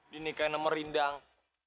dinikahin sama rindang